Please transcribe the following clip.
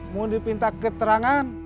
mau dipinta keterangan